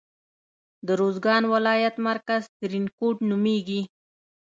د روزګان ولایت مرکز ترینکوټ نومیږي.